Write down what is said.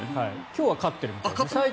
今日は勝ってるみたい。